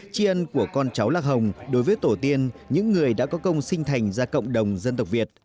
tri ân của con cháu lạc hồng đối với tổ tiên những người đã có công sinh thành ra cộng đồng dân tộc việt